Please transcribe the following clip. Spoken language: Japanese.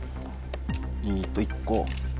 ２と１個。